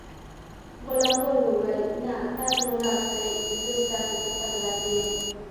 غلام ګل وویل: نه، تاسې ولاړ شئ، زه ستاسي په تګ راضي یم.